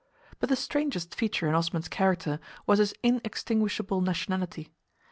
But the strangest feature in Osman's character was his inextinguishable nationality.